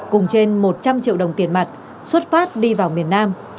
cùng trên một trăm linh triệu đồng tiền mặt xuất phát đi vào miền nam